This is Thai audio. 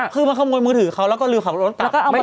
คือมาขโมยมือถือเขาแล้วก็ลืมขับรถกลับ